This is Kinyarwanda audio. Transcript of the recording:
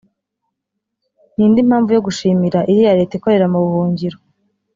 ni indi mpamvu yo gushimira iriya leta ikorera mu buhungiro